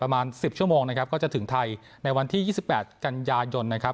ประมาณ๑๐ชั่วโมงนะครับก็จะถึงไทยในวันที่๒๘กันยายนนะครับ